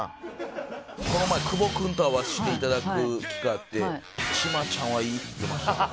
この前久保君と会わせて頂く機会あってチマちゃんはいい！って言ってました。